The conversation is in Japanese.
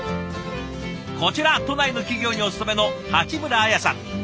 こちら都内の企業にお勤めの鉢村彩さん。